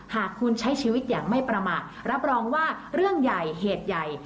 หากคุณใช้ชีวิตอย่างไม่ประมาทรับรองว่าเรื่องใหญ่เหตุใหญ่